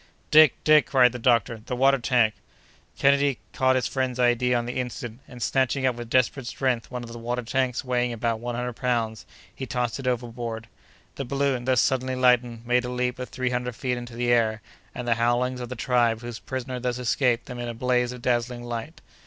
"Dick! Dick!" cried the doctor, "the water tank!" Kennedy caught his friend's idea on the instant, and, snatching up with desperate strength one of the water tanks weighing about one hundred pounds, he tossed it overboard. The balloon, thus suddenly lightened, made a leap of three hundred feet into the air, amid the howlings of the tribe whose prisoner thus escaped them in a blaze of dazzling light.